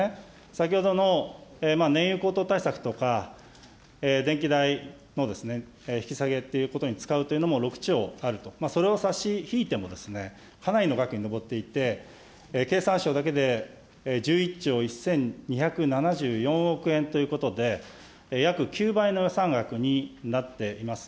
先ほどの燃油高騰対策とか、電気代の引き下げっていうことに使うというものも６兆あると、それを差し引いてもかなりの額に上っていて、経産省だけで１１兆１２７４億円ということで、約９倍の予算額になっています。